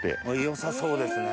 よさそうですね。